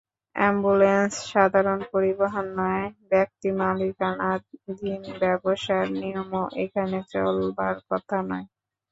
Ambulance সাধারণ পরিবহন নয়, ব্যক্তিমালিকানাধীন ব্যবসার নিয়মও এখানে চলবার কথা নয়।